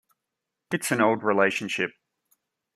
It's an old relationship.